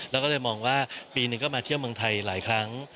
แล้วก็เลยมองว่าปีหนึ่งก็มาเที่ยวเมืองไทยหลายครั้ง